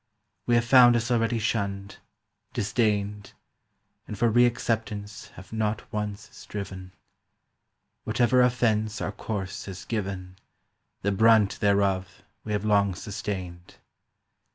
We have found us already shunned, disdained, And for re acceptance have not once striven; Whatever offence our course has given The brunt thereof we have long sustained.